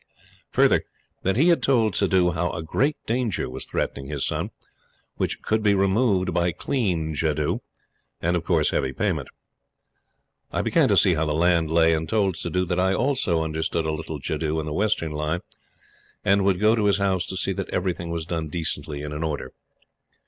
Further, that he had told Suddhoo how a great danger was threatening his son, which could be removed by clean jadoo; and, of course, heavy payment. I began to see how the land lay, and told Suddhoo that I also understood a little jadoo in the Western line, and would go to his house to see that everything was done decently and in order.